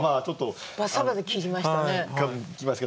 バサバサ切りましたね。